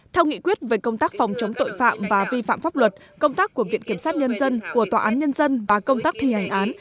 theo nghị quyết về công tác phòng chống tội phạm và vi phạm pháp luật công tác của viện kiểm sát nhân dân của tòa án nhân dân và công tác thi hành án